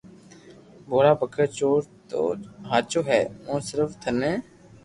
ڀورا ڀگت چور تو ھاچو ھي ھون صرف ٿني